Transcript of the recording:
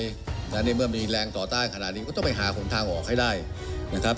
ในเมื่อมีแรงต่อต้านขนาดนี้ก็ต้องไปหาหนทางออกให้ได้นะครับ